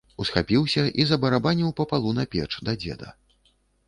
Усхапіўся і забарабаніў па палу на печ, да дзеда.